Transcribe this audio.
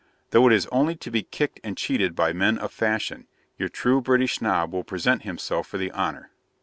Though it is only to be kicked and cheated by men of fashion, your true British Snob will present himself for the honour.